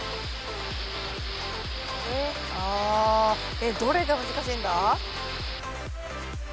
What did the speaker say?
えっどれが難しいんだ？